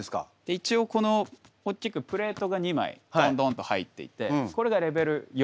一応この大きくプレートが２枚ドンドンと入っていてこれがレベル４。